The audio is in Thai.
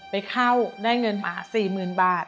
ไปเข้าได้เงินมา๔๐๐๐บาท